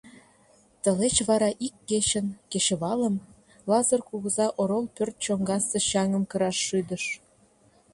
Тылеч вара ик кечын, кечывалым, Лазыр кугыза орол пӧрт чоҥгасе чаҥым кыраш шӱдыш.